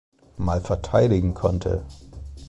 Mal verteidigen konnte.